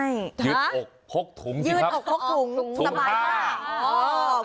ยืดอกพกถุงสิครับ